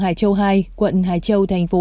hải châu hai quận hải châu thành phố